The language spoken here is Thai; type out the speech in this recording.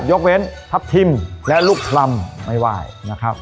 ยกเว้นทัพทิมและลูกคลำไม่ไหว้นะครับ